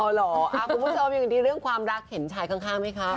อ๋อเหรอคุณผู้ชมอย่างนี้เรื่องความรักเห็นชายข้างไหมครับ